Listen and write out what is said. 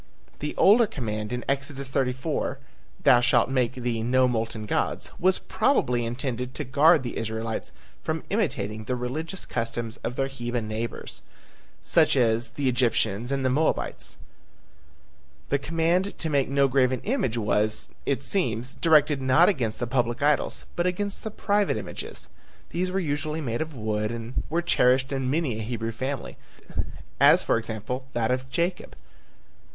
The older command in Exodus 34, "Thou shall make thee no molten gods," was probably intended to guard the Israelites from imitating the religious customs of their heathen neighbors, such as the Egyptians and the Moabites. The command to make no graven image was, it seems, directed not against the public idols but against the private images. These were usually made of wood and were cherished in many a Hebrew family, as for example, that of Jacob (cf.